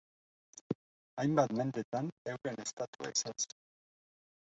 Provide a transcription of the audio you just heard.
Hainbat mendetan euren estatua izan zen.